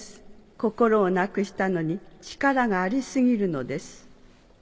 心をなくしたのに力があり過ぎるのです。